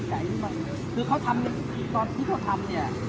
ตอนนี้กำหนังไปคุยของผู้สาวว่ามีคนละตบ